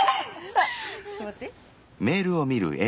あちょっと持って。